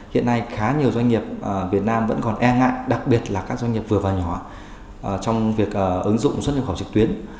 hiện nay khá nhiều doanh nghiệp việt nam vẫn còn e ngại đặc biệt là các doanh nghiệp vừa và nhỏ trong việc ứng dụng xuất nhập khẩu trực tuyến